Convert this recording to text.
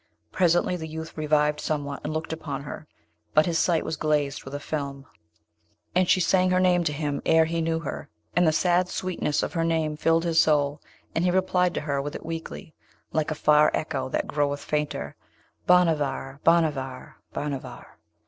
Presently the youth revived somewhat, and looked upon her; but his sight was glazed with a film, and she sang her name to him ere he knew her, and the sad sweetness of her name filled his soul, and he replied to her with it weakly, like a far echo that groweth fainter, 'Bhanavar! Bhanavar! Bhanavar!'